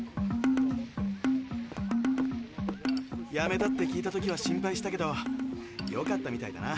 やめたって聞いた時は心配したけどよかったみたいだな。